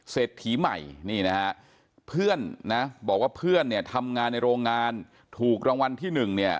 เศรษฐีใหม่นี่นะฮะเพื่อนนะบอกว่าเพื่อนเนี่ยทำงานในโรงงานถูกรางวัลที่หนึ่งเนี่ย